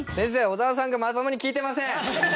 小沢さんがまともに聞いてません！